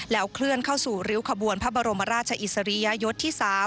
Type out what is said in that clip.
เคลื่อนเข้าสู่ริ้วขบวนพระบรมราชอิสริยยศที่๓